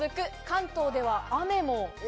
関東では雨も。